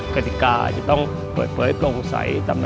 กฎิกาจะต้องเปิดเผยโปร่งใส